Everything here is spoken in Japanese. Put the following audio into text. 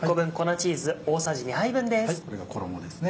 これが衣ですね